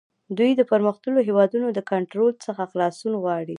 دوی د پرمختللو هیوادونو له کنټرول څخه خلاصون غواړي